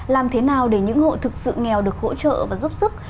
làm thế nào để những hộ thực sự nghèo được hỗ trợ và giúp sức